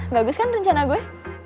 bagus kan rencana gue